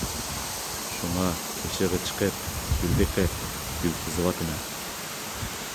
شۇڭا تېشىغا چىقىپ گۈل بېقىپ گۈل تىزىۋاتىمەن.